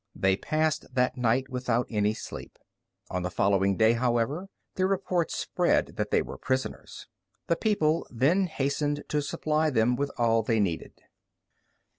They passed that night without any sleep. On the following day, however, the report spread that they were prisoners. The people then hastened to supply them with all they needed.